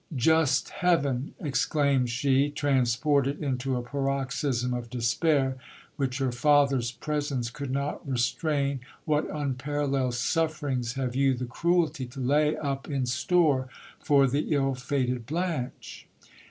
Just heaven ! exclaimed she, transported into a paroxysm of despair, which her fathers presence could not restrain, what unparalleled sufferings have you the cruelty to lay up in store for the ill fated Blanche